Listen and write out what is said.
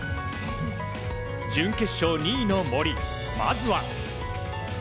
準決勝２位の森、まずは。